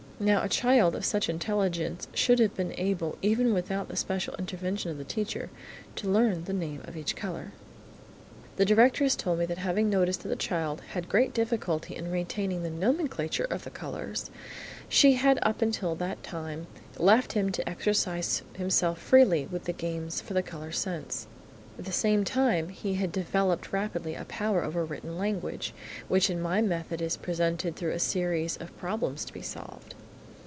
Now a child of such intelligence should have been able, even without the special intervention of the teacher, to learn the name of each colour. The directress told me that having noticed that the child had great difficulty in retaining the nomenclature of the colours, she had up until that time left him to exercise himself freely with the games for the colour sense. At the same time he had developed rapidly a power over written language, which in my method is presented through a series of problems to be solved.